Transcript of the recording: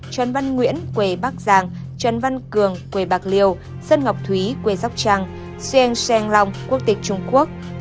trần văn nguyễn quê bắc giang trần văn cường quê bạc liêu sơn ngọc thúy quê dốc trang xuên xen long quốc tịch trung quốc